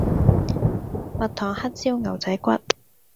蜜糖黑椒牛仔骨